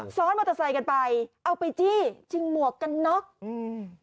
ซ้อนมอเตอร์ไซค์กันไปเอาไปจี้ชิงหมวกกันน็อกอืม